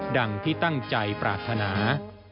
ดั่งที่ตั้งใจปราธนา